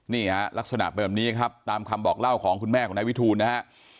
นี่ฮะลักษณะเป็นแบบนี้ครับตามคำบอกเล่าของคุณแม่ของนายวิทูลนะฮะ